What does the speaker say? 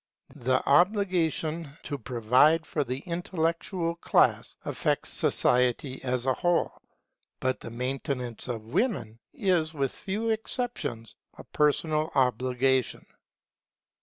The obligation to provide for the intellectual class, affects society as a whole; but the maintenance of women is, with few exceptions, a personal obligation.